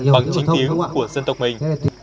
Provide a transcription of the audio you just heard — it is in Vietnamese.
bằng chính tiếng của dân tộc mình